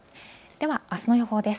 ではあすの予報です。